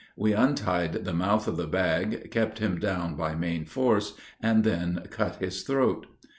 We untied the mouth of the bag, kept him down by main force, and then cut his throat.